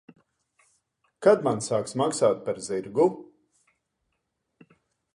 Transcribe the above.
Kad man sāks maksāt par zirgu?